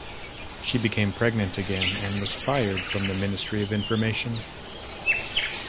She became pregnant again, and was fired from the Ministry of Information.